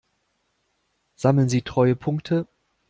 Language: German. Sammeln Sie Treuepunkte?